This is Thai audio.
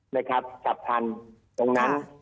นะครับจัดริปข้างเมืองนั้น